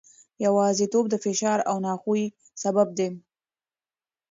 یوازیتوب د فشار او ناخوښۍ سبب دی.